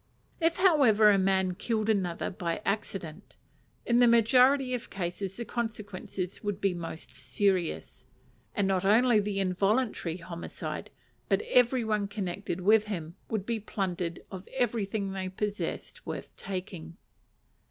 If, however, a man killed another by accident, in the majority of cases the consequences would be most serious; and not only the involuntary homicide, but every one connected with him, would be plundered of everything they possessed worth taking.